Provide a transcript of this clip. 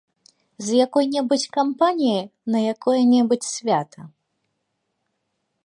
З якой-небудзь кампаніяй, на якое-небудзь свята.